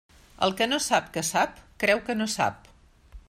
El que no sap que sap, creu que no sap.